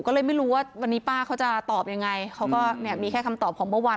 ก็เลยไม่รู้ว่าวันนี้ป้าเขาจะตอบยังไงเขาก็เนี่ยมีแค่คำตอบของเมื่อวาน